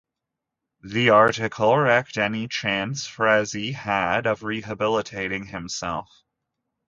The article wrecked any chance Frazee had of rehabilitating himself.